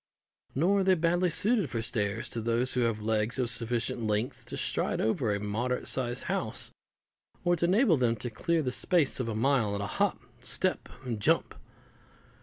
Nor are they badly suited for stairs to those who have legs of sufficient length to stride over a moderate sized house, or to enable them to clear the space of a mile in a hop, step, and jump.